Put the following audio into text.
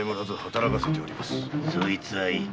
そいつはいい。